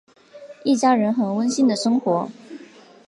一家人很温馨的生活。